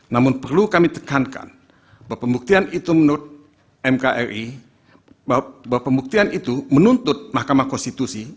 namun perlu kami tekankan bahwa pembuktian itu menuntut mahkamah konstitusi